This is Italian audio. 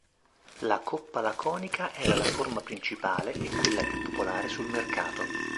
La coppa laconica era la forma principale e quella più popolare sul mercato.